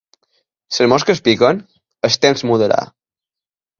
Les mosques piquen? El temps mudarà.